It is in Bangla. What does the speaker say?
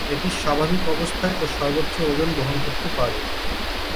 এটি স্বাভাবিক অবস্থায় ও সর্বোচ্চ ওজন বহন করতে পারে।